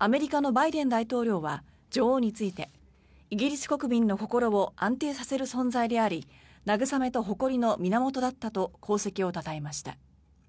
アメリカのバイデン大統領は女王についてイギリス国民の心を安定させる存在であり慰めと誇りの源だったと功績をたたえました。